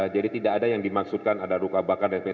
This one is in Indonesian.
jadi tidak ada yang dimaksudkan ada ruka bakar dan sebagainya